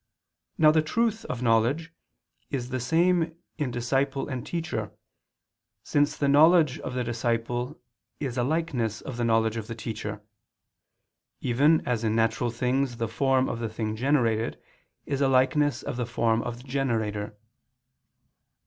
Now the truth of knowledge is the same in disciple and teacher since the knowledge of the disciple is a likeness of the knowledge of the teacher, even as in natural things the form of the thing generated is a likeness of the form of the generator.